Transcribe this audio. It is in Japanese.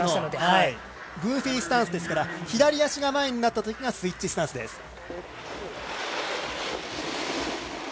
グーフィースタンスですから左足が前になったときがスイッチスタンスです。